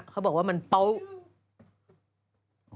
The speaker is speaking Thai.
เขาบอกว่ามันเป๊ะ